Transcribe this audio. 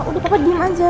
udah papa diem aja